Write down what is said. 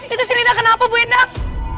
itu si ninda kenapa bu endang